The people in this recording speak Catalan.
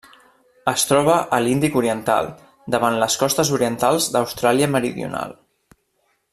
Es troba a l'Índic oriental: davant les costes orientals d'Austràlia Meridional.